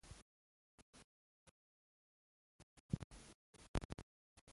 زردالو د افغانستان د ناحیو ترمنځ تفاوتونه رامنځته کوي.